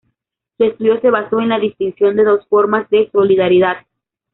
Su estudio se basó en la distinción de dos formas de solidaridad.